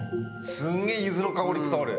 すげえゆずの香り伝わる。